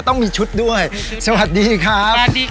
ต้องมีชุดด้วยเจอวันดีครับสวัสดี